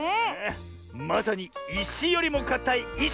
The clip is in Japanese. まさにいしよりもかたいいし！